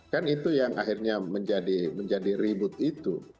kan itu yang akhirnya menjadi ribut itu